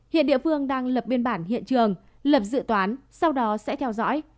hiện địa phương đang lập biên bản hiện trường lập dự toán sau đó sẽ theo dõi